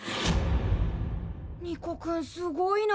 ニコくんすごいな。